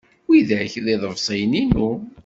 Widak d iḍebsiyen-inu.